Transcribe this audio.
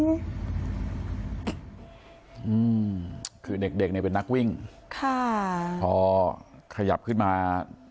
อืมคือเด็กเด็กเนี่ยเป็นนักวิ่งค่ะพอขยับขึ้นมา